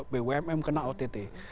bumm kena ott